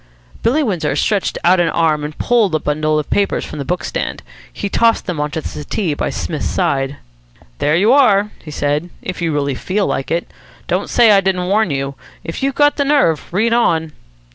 Billy Windsor stretched out an arm and pulled a bundle of papers from the book stand. He tossed them on to the settee by Psmith's side. "There you are," he said, "if you really feel like it. Don't say I didn't warn you. If you've got the nerve, read on."